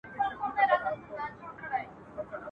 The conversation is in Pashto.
تر تګ له مخه د پاچا په کور کي شپه «تېروله»